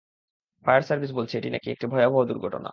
Fire service বলছে, এটি নাকি একটা ভয়াবহ দুর্ঘটনা।